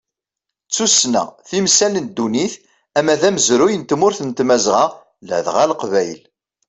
D tussna, timsal n ddunit ama d amezruy n tmurt n tmazɣa ladɣa leqbayel.